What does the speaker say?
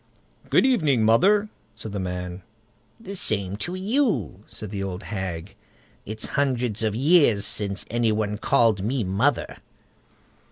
"Good evening, mother!" said the man. "The same to you", said the old hag. "It's hundreds of years since any one called me mother."